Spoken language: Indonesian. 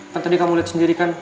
kan tadi kamu lihat sendiri kan